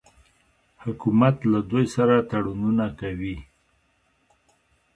حکومت له دوی سره تړونونه کوي.